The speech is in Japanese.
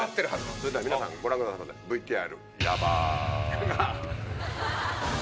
それでは皆さんご覧くださいませＶＴＲ。